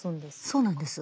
そうなんです。